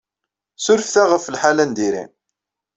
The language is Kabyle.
Ssurfet-aɣ ɣef lḥal-a n diri.